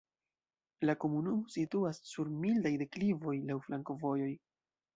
La komunumo situas sur mildaj deklivoj, laŭ flankovojoj.